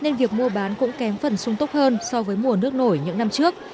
nên việc mua bán cũng kém phần sung tốc hơn so với mùa nước nổi những năm trước